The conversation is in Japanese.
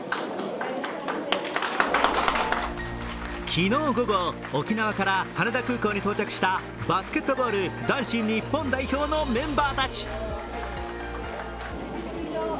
昨日午後、沖縄から羽田空港に到着したバスケットボール男子日本代表のメンバーたち。